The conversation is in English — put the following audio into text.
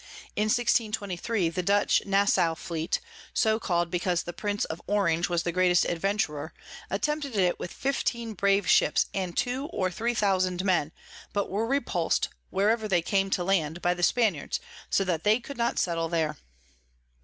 In 1623. the Dutch Nassaw Fleet, so call'd because the Prince of Orange was the greatest Adventurer, attempted it with fifteen brave Ships, and 2 or 3000 Men; but were repuls'd, wherever they came to land, by the Spaniards, so that they could not settle there.